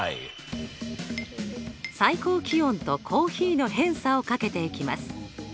最高気温とコーヒーの偏差を掛けていきます。